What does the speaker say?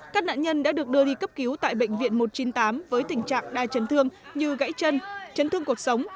các nạn nhân đã được đưa đi cấp cứu tại bệnh viện một trăm chín mươi tám với tình trạng đa chấn thương như gãy chân chấn thương cuộc sống